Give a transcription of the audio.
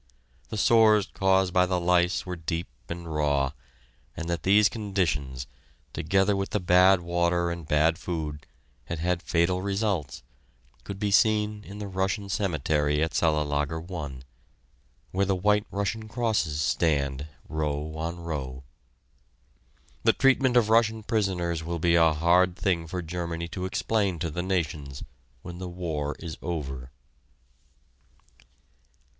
The sores caused by the lice were deep and raw, and that these conditions, together with the bad water and bad food, had had fatal results, could be seen in the Russian cemetery at Cellelager I, where the white Russian crosses stand, row on row. The treatment of Russian prisoners will be a hard thing for Germany to explain to the nations when the war is over.